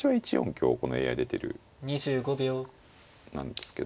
このＡＩ出てるなんですけど。